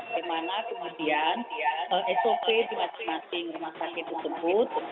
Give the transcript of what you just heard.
bagaimana kemudian sop di masing masing rumah sakit tersebut